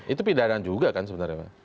itu pidana juga kan sebenarnya